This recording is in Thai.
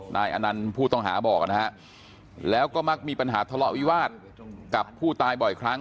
นายอนันต์ผู้ต้องหาบอกนะฮะแล้วก็มักมีปัญหาทะเลาะวิวาสกับผู้ตายบ่อยครั้ง